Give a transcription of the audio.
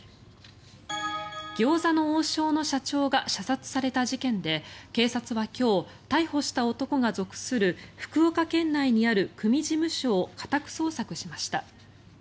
餃子の王将の社長が射殺された事件で警察は今日逮捕した男が属する福岡県内にある組事務所を家宅捜索しました。